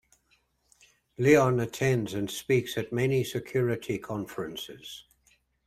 Lyon attends and speaks at many security conferences.